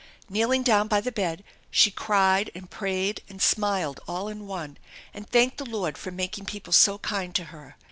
Kneeling down by the bed she cried and prayed and smiled all in one, and thanked the Lord for making people so kind to her.